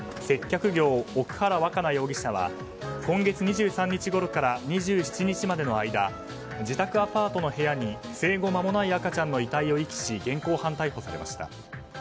接客業、奥原若菜容疑者は今月２３日ごろから２７日までの間自宅アパートの部屋に生後まもない赤ちゃんの遺体を遺棄し現行犯逮捕されました。